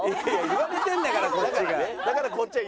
言われてるんだからこっちが。